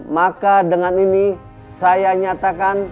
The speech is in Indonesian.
maka dengan ini saya nyatakan